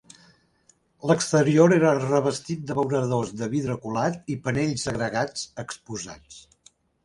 L'exterior era revestit d'abeuradors de vidre colat i panells agregats exposats.